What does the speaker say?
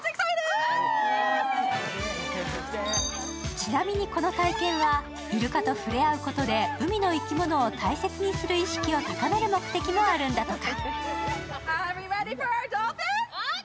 ちなみに、この体験はイルカと触れ合うことで海の生きものを大切にする意識を高める目的もあるんだとか。